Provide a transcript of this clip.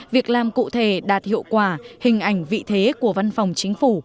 việc làm cụ thể đạt hiệu quả hình ảnh vị thế của văn phòng chính phủ